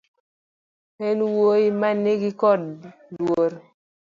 En wuoyi mani kod luor